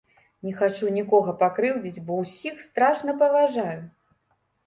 Не хачу нікога пакрыўдзіць, бо ўсіх страшна паважаю!